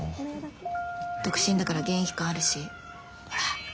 独身だから現役感あるしほら